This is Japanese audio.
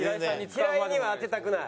平井には当てたくない？